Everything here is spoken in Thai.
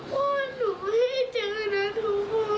พ่อรีบกลับบ้านนะ